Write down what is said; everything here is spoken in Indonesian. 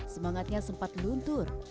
semangatnya sempat luntur